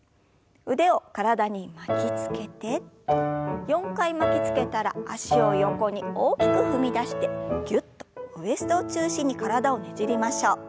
腕を体に巻きつけて４回巻きつけたら脚を横に大きく踏み出してぎゅっとウエストを中心に体をねじりましょう。